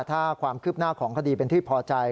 ถ้าความคืบหน้าของคดีเป็นที่พอใจ